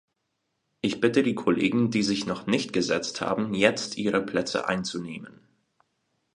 Ich bitte die Kollegen, die sich noch nicht gesetzt haben, jetzt ihre Plätze einzunehmen.